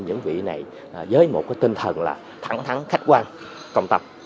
những vị này với một cái tinh thần là thẳng thắng khách quan công tập